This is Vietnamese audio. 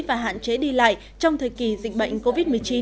và hạn chế đi lại trong thời kỳ dịch bệnh covid một mươi chín